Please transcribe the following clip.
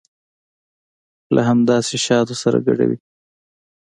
له همداسې شاتو سره ګډوي.